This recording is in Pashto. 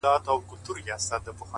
كله وي خپه اكثر،